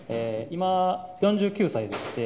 今、４９歳でして、